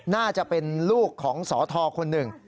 น่าจะเป็นลูกของสทคนหนึ่ง